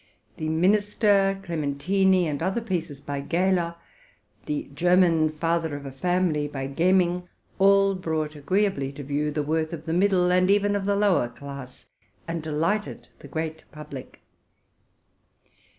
'*'The Minister,"' '*Clementini,'' and other pieces by Gehler, '¢ The German Father of a Family,'' by Gemming, all brought agreeably to view the worth of the middle and even of the lower class, and delighted the great public.